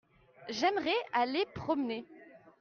J'aimerais aller promener.